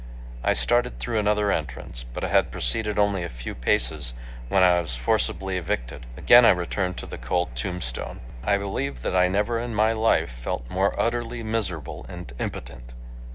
I started through another entrance, but had proceeded only a few paces when I was forcibly evicted. Again I returned to the cold tombstone. I believe that I never in my life felt more utterly miserable and impotent.